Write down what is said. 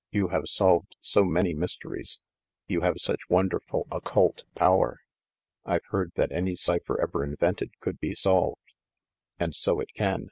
You have solved so many mysteries; you have such wonderful occult power! I've heard that any cipher ever invented could be solved." "And so it can.